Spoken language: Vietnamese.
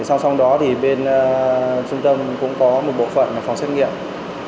sau đó bên trung tâm cũng có một bộ phận phòng xét nghiệm